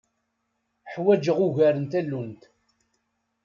Ḥwaǧeɣ ugar n tallunt.